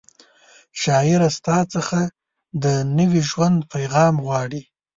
شاعره ستا څخه د نوي ژوند پیغام غواړي